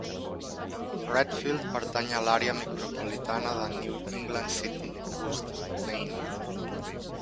Readfield pertany a l'àrea micropolitana de New England City, Augusta, Maine.